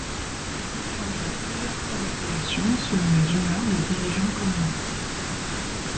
Il changea plusieurs fois d’appellation selon les humeurs de dirigeants communistes.